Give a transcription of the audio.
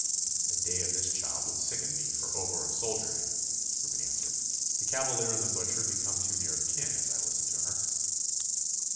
'A day of this child would sicken me for over of soldiering,' Reuben answered. 'The cavalier and the butcher become too near of kin, as I listen to her.